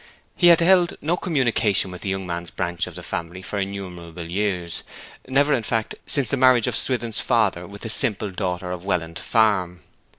He had held no communication with the young man's branch of the family for innumerable years, never, in fact, since the marriage of Swithin's father with the simple daughter of Welland Farm.